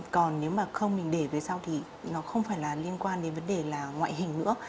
còn nếu mà không mình để về sau thì nó không phải là liên quan đến vấn đề là ngoại hình nữa